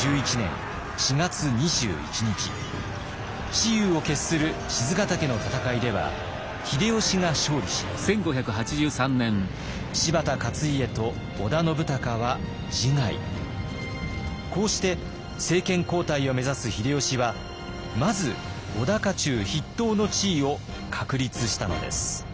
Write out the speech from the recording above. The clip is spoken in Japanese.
雌雄を決する賤ヶ岳の戦いでは秀吉が勝利しこうして政権交代を目指す秀吉はまず織田家中筆頭の地位を確立したのです。